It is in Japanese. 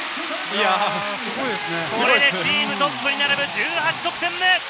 これでチームトップに並ぶ１８得点目！